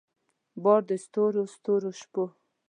بار د ستورو ستورو شپو